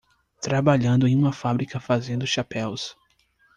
Trabalhando em uma fábrica fazendo chapéus